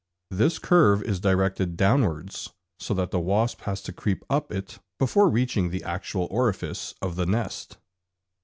5). This curve is directed downwards, so that the wasp has to creep up it before reaching the actual orifice of the nest.